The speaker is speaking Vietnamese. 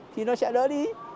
thì nó sẽ đỡ đi